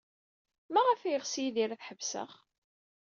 Maɣef ay yeɣs Yidir ad ḥebseɣ?